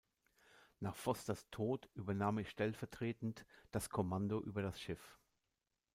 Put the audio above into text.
Nach Fosters Tod übernahm er stellvertretend das Kommando über das Schiff.